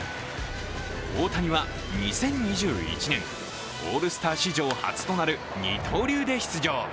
大谷は２０２１年、オールスター史上初となる二刀流で出場。